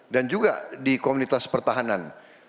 dan juga di komunitas pertahanan